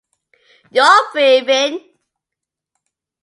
Your briefing